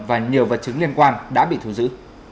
và nhiều vật chứng liên quan đã bị thu giữ